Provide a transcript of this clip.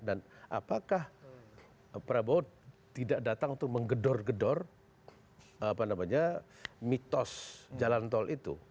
dan apakah prabowo tidak datang untuk menggedor gedor mitos jalan tol itu